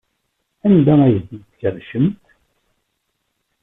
Anda ay tent-tkerrcemt?